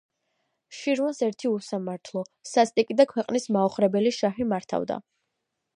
შირვანს ერთი უსამართლო, სასტიკი და ქვეყნის მაოხრებელი შაჰი მართავდა